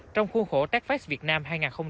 trong khuôn khổ techfest việt nam hai nghìn hai mươi bốn